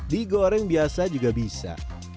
digoreng biasa juga bisa